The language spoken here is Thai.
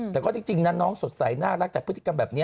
แต่ก็จริงนะน้องสดใสน่ารักแต่พฤติกรรมแบบนี้